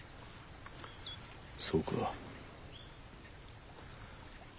そうか。